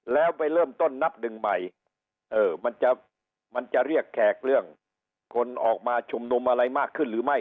แล้วไปเริ่มต้นนับหนึ่งใหม่มันจะเรียกแขกเรื่องคนออกมาชุมนุมอะไรมากขึ้นหรือไม่